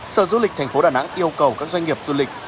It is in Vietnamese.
sở du lịch tp đà nẵng yêu cầu các doanh nghiệp du lịch